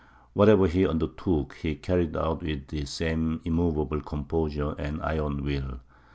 Whatever he undertook he carried out with the same immovable composure and iron will.